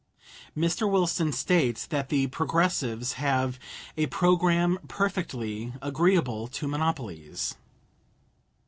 Mr. Wilson states that the Progressives have "a programme perfectly agreeable to monopolies."